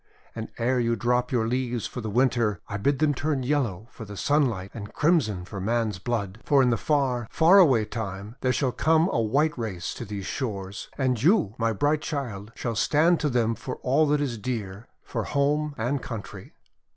And, ere you drop your leaves for the Winter, I bid them turn yellow for the sunlight and crimson for man's blood. For in the far, far away tune there shall come a White Race to these shores, 332 THE WONDER GARDEN and you, my bright Child, shall stand to them for all that is dear — for Home and Country.